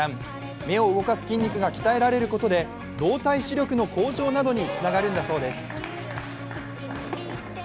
目を動かす筋肉が鍛えられることで、動体視力の向上などにつながるんだそうです。